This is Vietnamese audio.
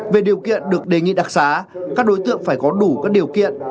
về điều kiện được đề nghị đặc xá các đối tượng phải có đủ các điều kiện